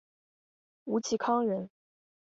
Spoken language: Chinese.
吴其沆人。